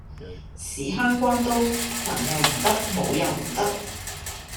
屎坑關刀文又唔得武又唔得